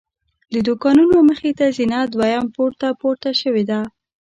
د دوکانونو مخې ته زینه دویم پوړ ته پورته شوې ده.